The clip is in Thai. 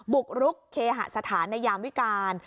บุกรุกเคหสถานในยามวิการ